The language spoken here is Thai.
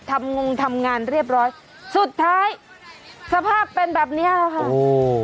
งงทำงานเรียบร้อยสุดท้ายสภาพเป็นแบบเนี้ยค่ะโอ้